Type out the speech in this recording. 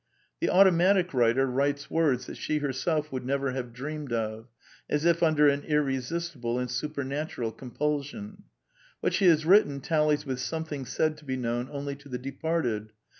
The automatic writer writes words that she herself would never have dreamed of, as if under an irresistible and supernatural compulsion. What she has written tallies with something said to be known only to the departed.